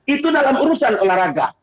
itu dalam urusan olahraga